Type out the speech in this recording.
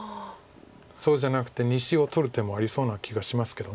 そうじゃなくて２子を取る手もありそうな気がしますけど。